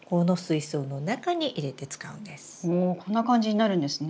おこんな感じになるんですね。